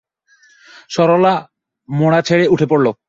সরলা মোড়া ছেড়ে উঠে পড়ল।